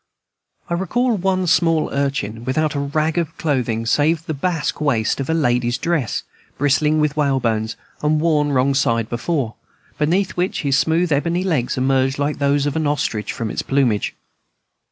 I recall one small urchin without a rag of clothing save the basque waist of a lady's dress, bristling with whalebones, and worn wrong side before, beneath which his smooth ebony legs emerged like those of an ostrich from its plumage.